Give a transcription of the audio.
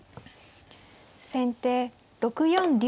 先手６四竜。